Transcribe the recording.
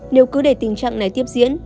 nếu cứ để tình trạng này tiếp diễn